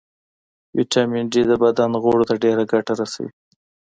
ويټامین ډي د بدن غړو ته ډېره ګټه رسوي